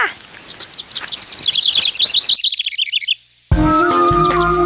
ไปค่ะ